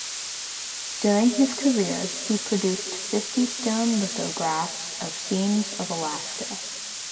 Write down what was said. During his career, he produced fifty stone lithographs of scenes of Alaska.